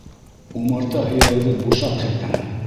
Умарта һөйәгегеҙ бушаҡ һеҙҙең!